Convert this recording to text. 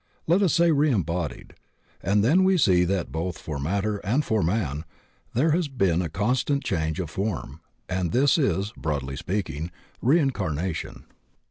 Let us say "reembodied," and then we see that both for mat ter and for man there has been a constant change of form and this is, broadly speaking, "reincarnation."